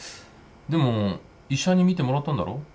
でも医者に診てもらったんだろ？